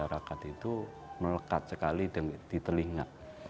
masyarakat itu melekat sekali di telinga